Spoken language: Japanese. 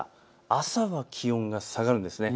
朝は気温が下がるんです。